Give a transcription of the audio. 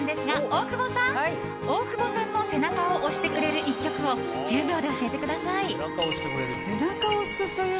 大久保さんの背中を押してくれる１曲を１０秒で教えてください。